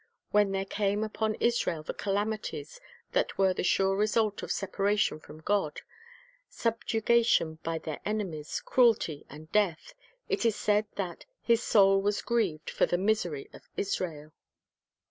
When there came upon Israel the calamities that were the sure result of separation from God, — subjuga tion by their enemies, cruelty, and death, — it is said that "His soul was grieved for the misery of Israel."